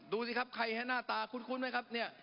ดูสิครับใครฮะหน้าตาคุ้นไหมครับเนี่ย